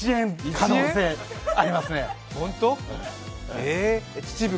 可能性ありますね。